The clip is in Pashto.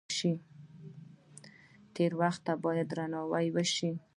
تیر وخت ته درناوی باید وشي.